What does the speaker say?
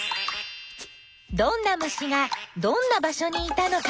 どんな虫がどんな場所にいたのか。